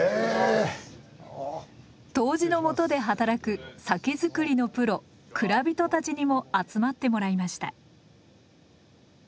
杜氏のもとで働く酒造りのプロ蔵人たちにも集まってもらいました。